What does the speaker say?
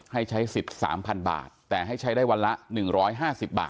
ให้ใช้สิทธิ์สามพันบาทแต่ให้ใช้ได้วันละหนึ่งร้อยห้าสิบบาท